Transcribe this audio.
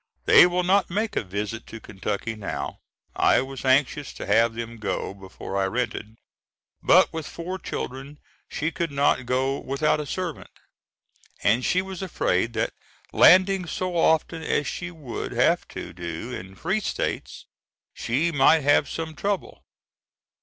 They will not make a visit to Kentucky now. I was anxious to have them go before I rented, but with four children she could not go without a servant, and she was afraid that landing so often as she would have to do in free states, she might have some trouble.